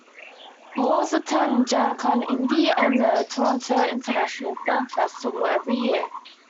Laws attends Gen Con Indy and the Toronto International Film Festival every year.